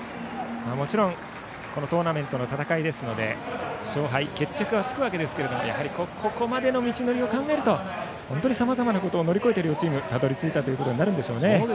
もちろんトーナメントの戦いなので勝敗、決着はつくわけですがここまでの道のりを考えるとさまざまなことを乗り越えて、両チームたどり着いたということになるんでしょうね。